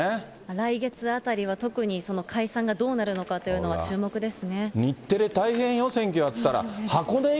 来月あたりは特にその解散がどうなるのかというのは注目です